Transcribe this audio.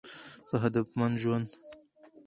په هدفمند ژوند